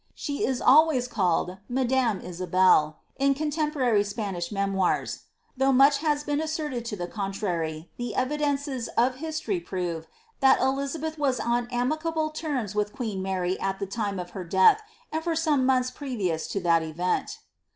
She is always called ^ Madame Isabel" in contemporary Spanish memoirs. Though much has been asserted to the contrary, the evidences of history prove, that Elizabeth was on amicable terms with queen Mar}' at the time of lier death, and for some months previous to that event.